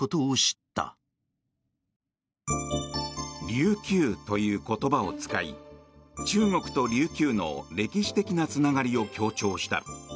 琉球という言葉を使い中国と琉球の歴史的なつながりを強調した。